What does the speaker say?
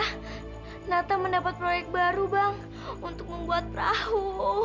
si natas mendapat proyek baru bang untuk membuat perahu